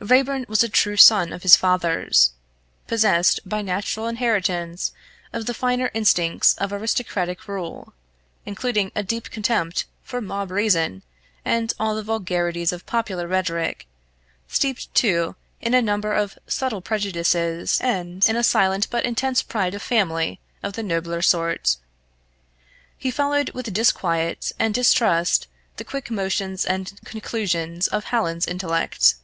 Raeburn was a true son of his fathers, possessed by natural inheritance of the finer instincts of aristocratic rule, including a deep contempt for mob reason and all the vulgarities of popular rhetoric; steeped, too, in a number of subtle prejudices, and in a silent but intense pride of family of the nobler sort. He followed with disquiet and distrust the quick motions and conclusions of Hallin's intellect.